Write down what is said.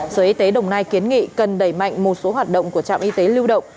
sở y tế đồng nai kiến nghị cần đẩy mạnh một số hoạt động của trạm y tế lưu động